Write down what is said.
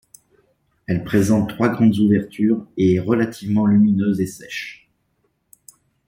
Elle présente trois grandes ouvertures et est relativement lumineuse et sèche.